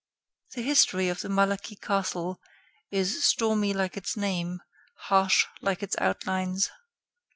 The history of the Malaquis castle is stormy like its name, harsh like its outlines.